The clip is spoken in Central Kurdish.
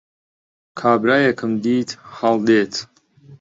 کابرایەکم دیت هەڵدێت